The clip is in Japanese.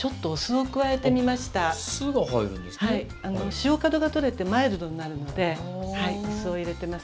塩角が取れてマイルドになるのでお酢を入れてます。